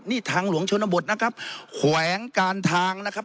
นี่ทางหลวงชนบทนะครับแขวงการทางนะครับ